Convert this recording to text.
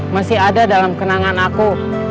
masih ada dalam kenangan aku